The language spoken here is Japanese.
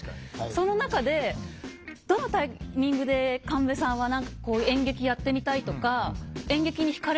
その中でどのタイミングで神戸さんは演劇やってみたいとか何ですか